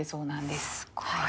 すごい。